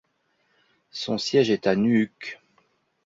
Son siège est à Nuuk.